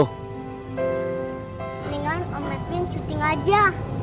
mendingan om edwin syuting aja